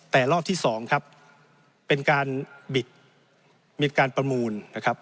แต่รอบที่๒เป็นการบิดมีการประมูล